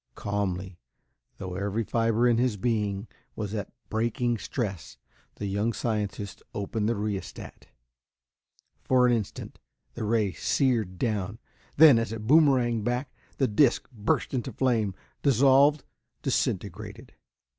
Calmly, though every fiber of his being was at breaking stress, the young scientist opened the rheostat. For an instant, the ray seared down then, as it boomeranged back, the disc burst into flame, dissolved, disintegrated.